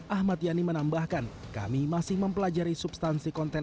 ahmad yani menambahkan kami masih mempelajari substansi konten